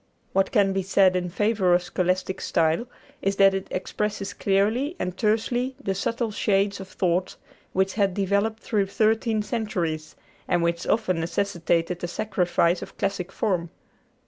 What can be said in favor of scholastic "style" is that it expresses clearly and tersely the subtle shades of thought which had developed through thirteen centuries, and which often necessitated a sacrifice of classic form.